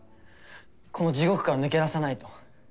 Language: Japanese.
この地獄から抜け出さないと。